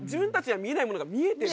見えてる？